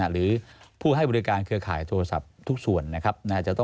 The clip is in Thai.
หรือผู้ให้บริการเครือข่ายโทรศัพท์ทุกส่วนนะครับ